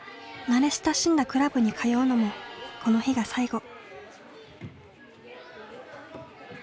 慣れ親しんだクラブに通うのもこの日が最後。